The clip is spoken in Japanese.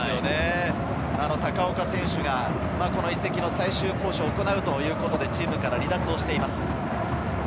高丘選手が、この移籍の最終交渉を行うということで、チームから離脱しています。